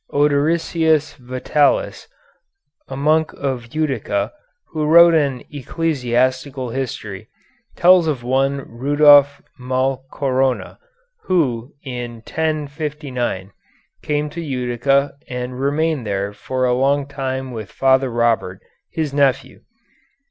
Ordericus Vitalis, a monk of Utica, who wrote an ecclesiastical history, tells of one Rudolph Malcorona, who, in 1059, came to Utica and remained there for a long time with Father Robert, his nephew.